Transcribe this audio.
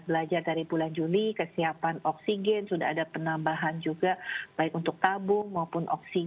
belajar dari bulan juli kesiapan oksigen sudah ada penambahan juga baik untuk tabung maupun oksigen